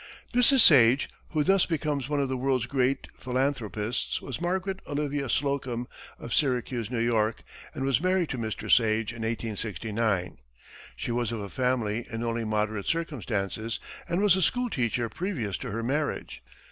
Mrs. Sage, who thus becomes one of the world's great philanthropists, was Margaret Olivia Slocum, of Syracuse, New York, and was married to Mr. Sage in 1869. She was of a family in only moderate circumstances, and was a school teacher previous to her marriage.